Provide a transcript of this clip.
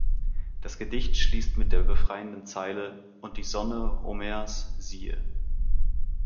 Das Gedicht schließt mit der befreienden Zeile "Und die Sonne Homers, siehe!